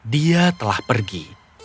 dia telah pergi